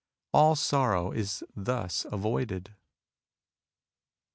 All sorrow is thus avoided.